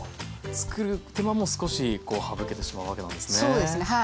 作る手間も少し省けてしまうわけなんですね。